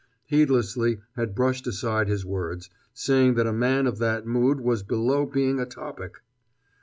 heedlessly had brushed aside his words, saying that a man of that mood was below being a topic....